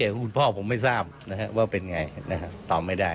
เขาสังเกตคุณพ่อผมไม่ทราบว่าเป็นไงตอบไม่ได้